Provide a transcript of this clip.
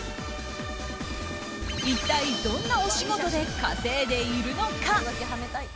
一体どんなお仕事で稼いでいるのか？